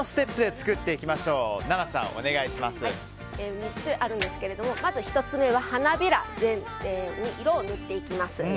３つあるんですけどまず１つ目は、花びらに色を塗っていきます。